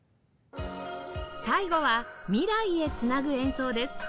最後は未来へ繋ぐ演奏です